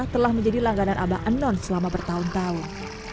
telah menjadi langganan abah anon selama bertahun tahun